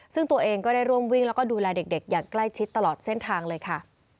ซึ่งตัวเองก็ได้ร่วมวิ่งแล้วก็ดูแลเด็กอย่างใกล้ชิดตลอดเส้นทางเลยค่ะ